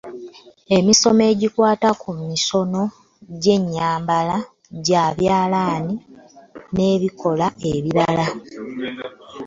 Ensonga ezikwata ku misono gy’ennyambala, ekyalaani n’ebikola ebirala.